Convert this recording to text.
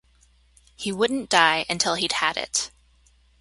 He wouldn't die until he'd had it.